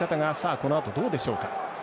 このあと、どうでしょうか。